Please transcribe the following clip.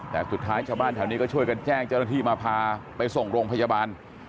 แต่สุดท้ายชาวบ้านแถวนี้ก็ช่วยกันแจ้งเจ้าหน้าที่มาพาไปส่งโรงพยาบาล